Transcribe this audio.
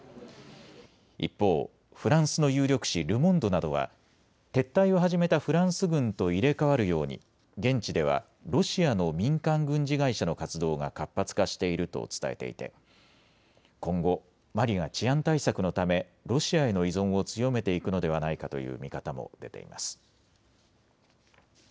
一方、フランスの有力紙ルモンドなどは、撤退を始めたフランス軍と入れ替わるように現地ではロシアの民間軍事会社の活動が活発化していると伝えていて今後、マリが治安対策のためロシアへの依存を強めていくのではないかという見方も出ています。